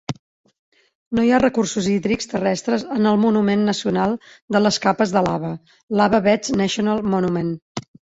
No hi ha recursos hídrics terrestres en el Monument Nacional de les Capes de Lava (Lava Beds National Monument).